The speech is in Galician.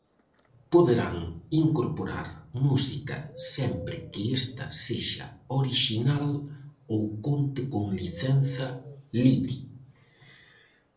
Poderán incorporar música sempre que esta sexa orixinal ou conte con licenza libre.